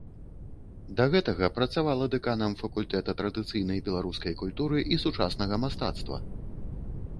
Да гэтага працавала дэканам факультэта традыцыйнай беларускай культуры і сучаснага мастацтва.